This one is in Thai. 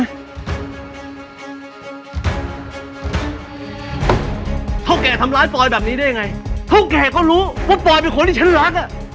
เท่าแก่ทำร้ายปลอยแบบนี้ได้ยังไงเท่าแก่เขารู้ว่าปอยเป็นคนที่ฉันรักอ่ะ